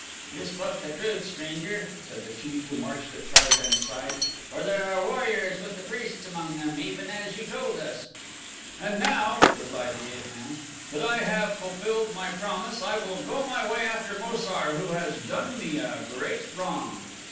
"You spoke the truth, stranger," said the chief who marched at Tarzan's side, "for there are the warriors with the priests among them, even as you told us." "And now," replied the ape man, "that I have fulfilled my promise I will go my way after Mo sar, who has done me a great wrong.